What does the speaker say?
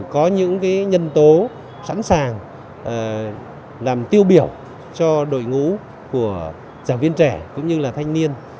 có những nhân tố sẵn sàng làm tiêu biểu cho đội ngũ của giảng viên trẻ cũng như là thanh niên